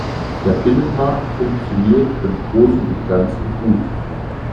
Der Binnenmarkt funktioniert im Großen und Ganzen gut.